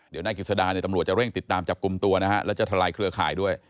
เดี๋ยวนายกิจสดาเนี่ยตำรวจจะเร่งติดตามจับกลุ่มตัวนะฮะแล้วจะทลายเครือข่ายด้วย